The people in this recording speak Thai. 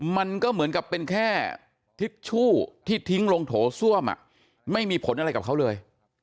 มันก็เหมือนกับเป็นแค่ทิชชู่ที่ทิ้งลงโถส้วมไม่มีผลอะไรกับเขาเลย